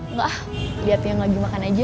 nggak ah liat yang lagi makan aja